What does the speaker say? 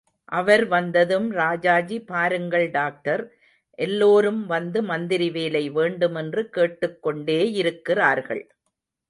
அவர் வந்ததும் ராஜாஜி பாருங்கள் டாக்டர், எல்லோரும் வந்து மந்திரி வேலை வேண்டுமென்று கேட்டுக் கொண்டேயிருக்கிறார்கள்.